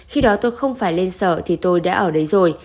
khi đó tôi không phải lên sở thì tôi đã ở đấy rồi